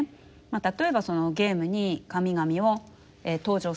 例えばそのゲームに神々を登場させる。